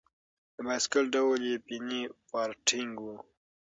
د بایسکل ډول یې پیني فارټېنګ و.